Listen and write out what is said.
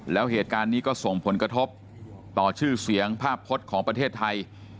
แล้วเหตุการณ์นี้ก็ส่งผลกระทบต่อชื่อเสียงภาพพจน์ของประเทศไทย